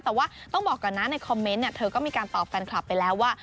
แต่ว่าต้องบอกก่อนนะในคอมเมนต์เธอก็มีการตอบแฟนคลับไปแล้วว่า